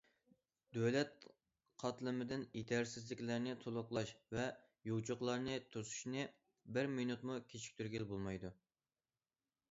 دۆلەت قاتلىمىدىن يېتەرسىزلىكلەرنى تولۇقلاش ۋە يوچۇقلارنى توسۇشنى بىر مىنۇتمۇ كېچىكتۈرگىلى بولمايدۇ.